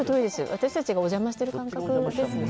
私たちがお邪魔してる感覚です。